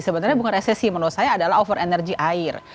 sebenarnya bukan resesi menurut saya adalah over energy air